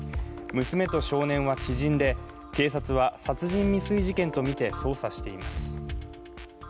娘と少年は知人で、警察は殺人未遂事件とみて捜査しています。